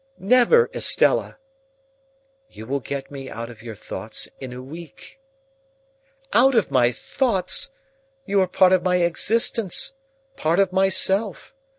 "Never, Estella!" "You will get me out of your thoughts in a week." "Out of my thoughts! You are part of my existence, part of myself.